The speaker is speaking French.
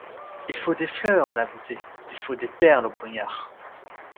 Il faut des fleurs à la beauté, il faut des perles au poignard.